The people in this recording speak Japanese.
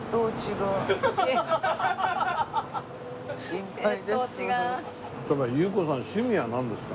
心配です。